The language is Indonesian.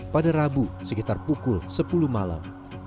pada rabu sekitar pukul sepuluh malam